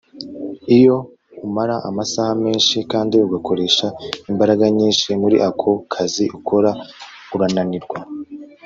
iyo umara amasaha menshi kandi ugakoresha imbaraga nyinshi muri ako kazi ukora urananirwa